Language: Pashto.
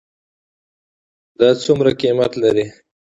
دا څومره قیمت لري ?